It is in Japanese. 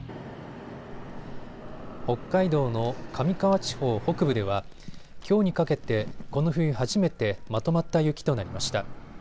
北海道の上川地方北部ではきょうにかけてこの冬初めてまとまった雪となりました。